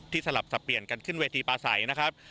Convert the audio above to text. สลับสับเปลี่ยนกันขึ้นเวทีปลาใสนะครับ